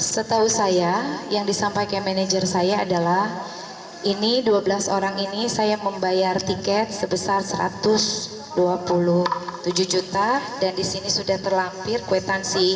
setahu saya yang disampaikan manajer saya adalah ini dua belas orang ini saya membayar tiket sebesar satu ratus dua puluh tujuh juta dan disini sudah terlampir kuitansi